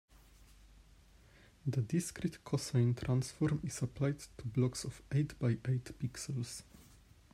The discrete cosine transform is applied to blocks of eight by eight pixels.